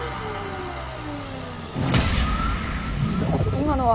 今のは。